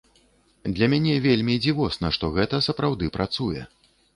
Для мяне вельмі дзівосна, што гэта сапраўды працуе.